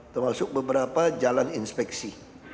termasuk beberapa jalan inspeksi